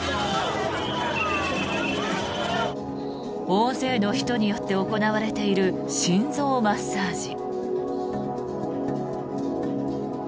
大勢の人によって行われている心臓マッサージ。